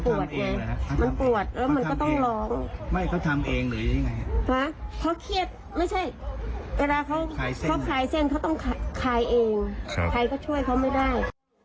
ใครก็ช่วยเขาไม่ได้